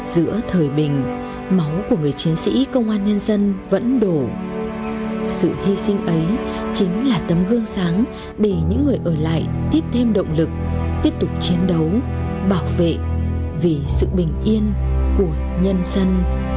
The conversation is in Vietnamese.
giữa thời bình máu của người chiến sĩ công an nhân dân vẫn đổ sự hy sinh ấy chính là tấm gương sáng để những người ở lại tiếp thêm động lực tiếp tục chiến đấu bảo vệ vì sự bình yên của nhân dân